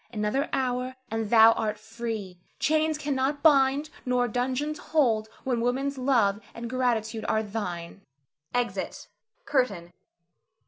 Another hour, and thou art free. Chains cannot bind, nor dungeons hold when woman's love and gratitude are thine. [Exit. CURTAIN.